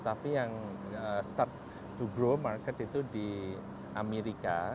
tapi yang start to grow market itu di amerika